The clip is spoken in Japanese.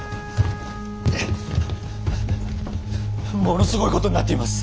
ものすごいことになっています。